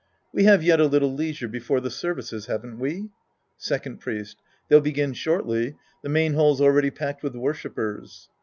We have yet a little leisure before the services, haven't we ? Second Priest. They'll begin shortly. The main hall's already packed with worshipers.